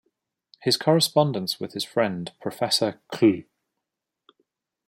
His correspondence with his friend Professor Cl.